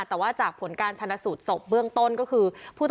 แต่ว่าจากผลการชนะสูตรศพเบื้องต้นก็คือ